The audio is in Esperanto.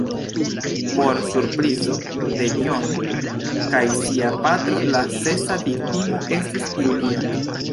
Por surprizo de John kaj sia patro la sesa viktimo estis Julia.